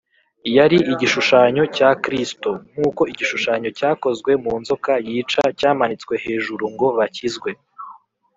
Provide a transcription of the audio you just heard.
Yari igishushanyo cya Kristo. Nkuko igishushanyo cyakozwe mu nzoka yica cyamanitswe hejuru ngo bakizwe